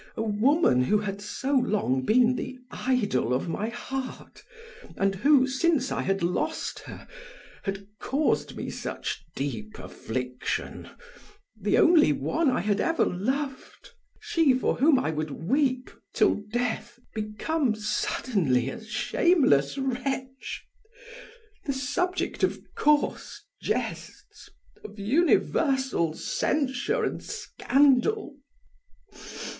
A woman who had so long been the idol of my heart and who, since I had lost her, had caused me such deep affliction, the only one I had ever loved, she for whom I would weep till death, become suddenly a shameless wretch, the subject of coarse jests, of universal censure and scandal!